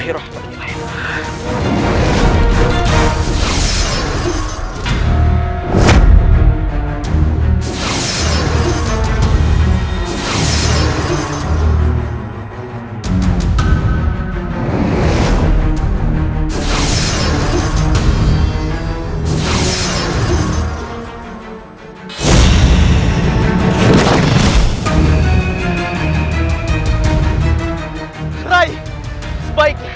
kau mau kemana